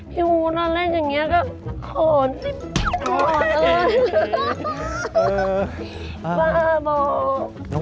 พี่ภูมิแน่นแหล่งอย่างนี้ก็โข่น